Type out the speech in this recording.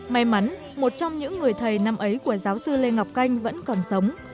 may mắn một trong những người thầy năm ấy của giáo sư lê ngọc canh vẫn còn sống